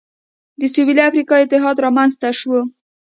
د سوېلي افریقا اتحاد رامنځته شو.